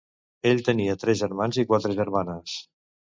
Ell tenia tres germans i quatre germanes.